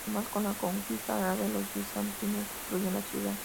Además, con la conquista árabe, los bizantinos destruyen la ciudad.